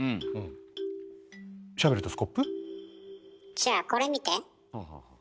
じゃあこれ見て。